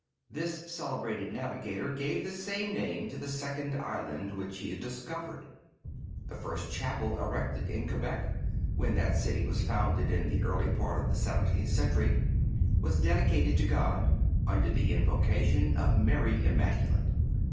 This celebrated navigator gave the same name to the second island which he discovered. The first chapel erected in Quebec, when that city was founded in the early part of the seventeenth century was dedicated to God under the invocation of Mary Immaculate.